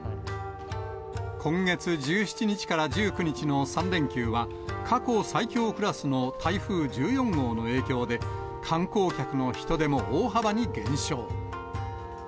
今月１７日から１９日の３連休は、過去最強クラスの台風１４号の影響で、観光客の人出も大幅に減少。